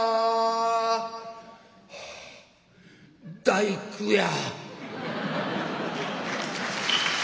「大工や」。